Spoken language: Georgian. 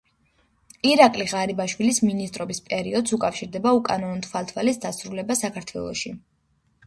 ირაკლი ღარიბაშვილის მინისტრობის პერიოდს უკავშირდება უკანონო თვალთვალის დასრულება საქართველოში.